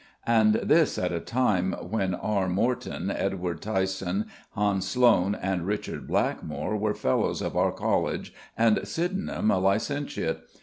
And this at a time when R. Morton, Edward Tyson, Hans Sloane, and Richard Blackmore were Fellows of our College and Sydenham a Licentiate....